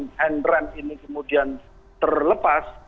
dan saat sistem hand ram ini kemudian terlepas